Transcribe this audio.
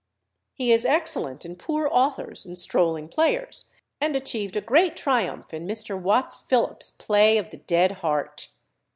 He is excellent in poor authors and strolling players, and achieved a great triumph in Mr. Watts Philips's play of "The Dead Heart."